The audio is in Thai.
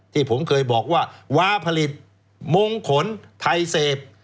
ที่ผมเคยบอกว่าวาผลิตมงขนไทยเสพ